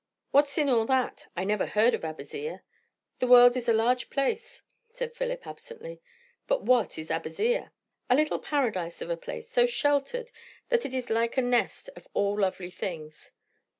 "What's in all that? I never heard of Abazzia." "The world is a large place," said Philip absently. "But what is Abazzia?" "A little paradise of a place, so sheltered that it is like a nest of all lovely things.